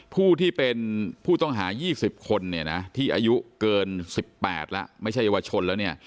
ผู้ที่เป็นผู้ต้องหา๒๐คนเนี่ยนะที่อายุเกิน๑๘แล้วไม่ใช่เยาวชนแล้วเนี่ย